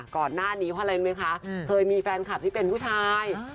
ก่อนหน้านี้เพราะอะไรรู้ไหมคะเคยมีแฟนคลับที่เป็นผู้ชาย